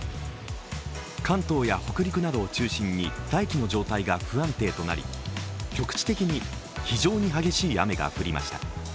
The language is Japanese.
関東や北陸などを中心に大気の状態が不安定となり、局地的に非常に激しい雨が降りました。